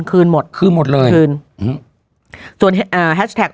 คืนหมดคืนหมดเลยคืนฮึฮินตัวอ่าแฮจแทก